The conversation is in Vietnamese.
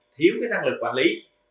thiếu năng lực quản lý